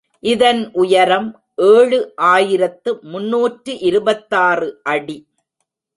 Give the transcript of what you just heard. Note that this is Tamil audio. இதன் உயரம் ஏழு ஆயிரத்து முன்னூற்று இருபத்தாறு அடி.